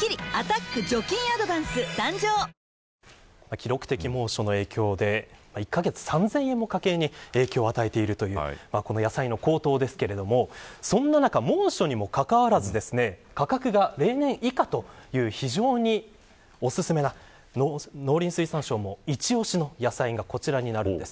記録的猛暑の影響で１カ月３０００円も家計に影響を与えている野菜の高騰ですがそんな中、猛暑にもかかわらず価格が例年以下という非常にお薦めな農林水産省もいち押しの野菜がこちらです。